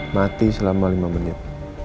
mati selama lima menit